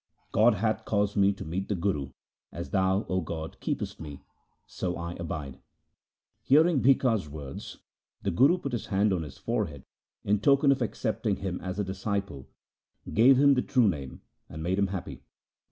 God hath caused me to meet the Guru ; as Thou, O God, keepest me, so I abide. 1 Hearing Bhikha's words the Guru put his hand on his forehead in token of accepting him as a dis ciple, gave him the true Name, and made him happy.